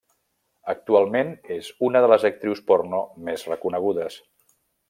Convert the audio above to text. Actualment és una de les actrius porno més reconegudes.